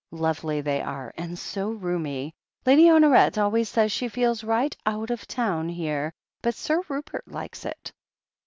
Lovely, they are, and so roomy. Lady Honoret always says she feels right out of town here — ^but Sir Rupert likes it."